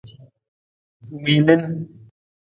Mngilin.